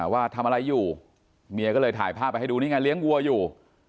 ว่าทำอะไรอยู่เมียก็เลยถ่ายภาพไปให้ดูนี่ไงเลี้ยงวัวอยู่